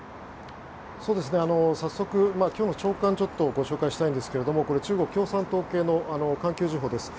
早速、今日の朝刊ちょっとご紹介したいんですがこれ、中国共産党系の環球時報です。